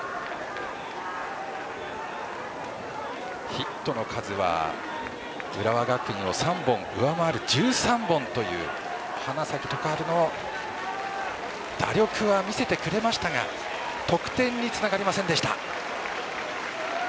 ヒットの数は浦和学院を３本上回る１３本という花咲徳栄の打力は見せてくれましたが得点につながりませんでした。